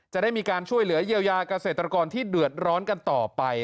จะได้มีการช่วยเหลือเยียวยาเกษตรกรที่เดือดร้อนกันต่อไป